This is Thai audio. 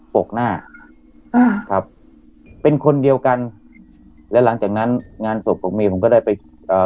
ปกหน้าอ่าครับเป็นคนเดียวกันและหลังจากนั้นงานศพของเมย์ผมก็ได้ไปเอ่อ